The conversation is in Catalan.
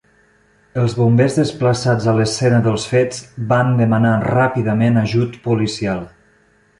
Els bombers desplaçats a l'escena dels fets van demanar ràpidament ajut policial.